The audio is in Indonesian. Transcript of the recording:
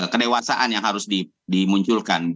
kedewasaan yang harus dimunculkan